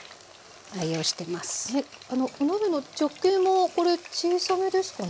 お鍋の直径もこれ小さめですかね？